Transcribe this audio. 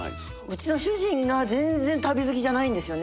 うちの主人が全然旅好きじゃないんですよね。